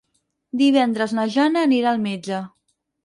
Divendres na Jana anirà al metge.